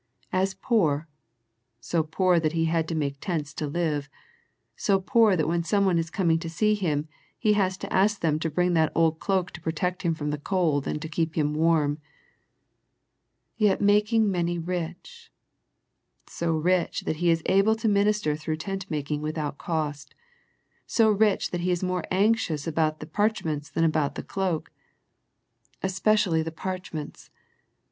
" As poor "— so poor that he had to make tents to live, so poor that when someone is coming to see him, he has to ask them to bring that old cloak to protect him from the cold, and to keep him warm —" yet making many rich "— so rich that he is able to minister through tent making without cost, so rich that he is more anxious about the parch ments than about the cloak, —" especially the y The Smyrna Letter 69 parchments."